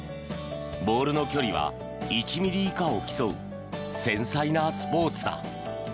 ボールの距離は１ｍｍ以下を競う繊細なスポーツだ。